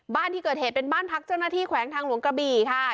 บ้านที่เกิดเหตุเป็นบ้านพักเจ้าหน้าที่แขวงทางหลวงกระบี่ค่ะ